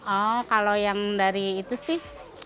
oh kalau yang dari itu sih